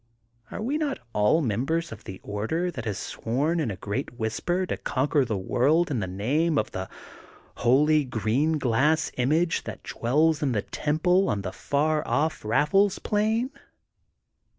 Are we not all mem bers of the order that has sworn in a great whisper to conquer the world in the name of « the holy green glass image that dwells in the temple on the far off Raffles plain